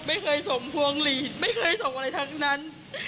ไม่เคยส่งพวงหลีดไม่เคยส่งอะไรทั้งนั้น